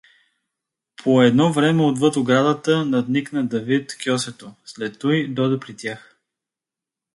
По едно време отвъд оградата надникна Давид Кьосето, след туй доде при тях.